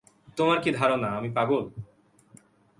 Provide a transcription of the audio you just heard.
তোমার কি ধারণা, আমি পাগল?